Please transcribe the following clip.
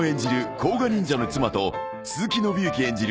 甲賀忍者の妻と鈴木伸之演じる